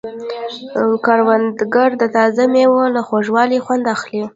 کروندګر د تازه مېوو له خوږوالي خوند اخلي